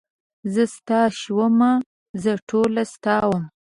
زه ستا شومه زه ټوله ستا ومه.